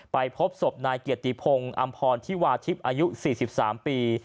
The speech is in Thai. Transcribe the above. พบศพนายเกียรติพงศ์อำพรธิวาทิพย์อายุ๔๓ปี